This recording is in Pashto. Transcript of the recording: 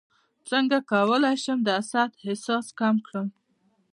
څنګه کولی شم د حسد احساس کم کړم